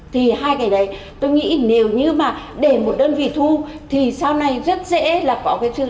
thì hai cái đấy tôi nghĩ nếu như mà để một đơn vị thu thì sau này rất dễ là có cái chương